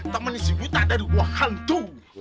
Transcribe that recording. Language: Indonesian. temen si wita dari wahantu